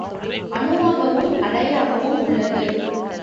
அணுவாகவும் அலையாகவும் உள்ளது.